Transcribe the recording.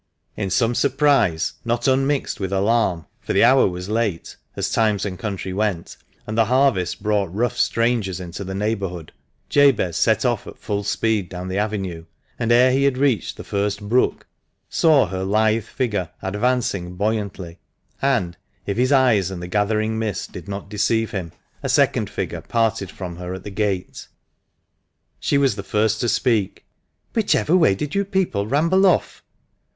In some surprise, not unmixed with alarm, for the hour was late — as times and country went — and the harvest brought rough strangers into the neighbourhood, Jabez set off at full speed down the avenue, and ere he had reached the first brook, saw her lithe figure advancing buoyantly, and, if his eyes and the gathering mist did not deceive him, a second figure parted from her at the gate. She was the first to speak. "Whichever way did you people ramble off?"